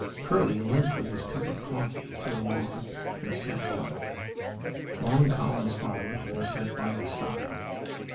Curly limped with his cup of coffee to a log and sat upon it. Long Collins followed and sat by his side.